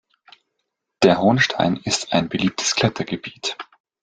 Der Hohenstein ist ein beliebtes Klettergebiet.